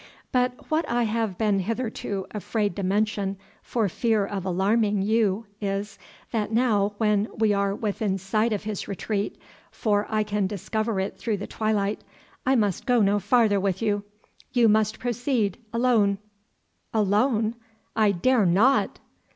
But what I have been hitherto afraid to mention for fear of alarming you is, that now when we are within sight of his retreat, for I can discover it through the twilight, I must go no farther with you; you must proceed alone." "Alone? I dare not."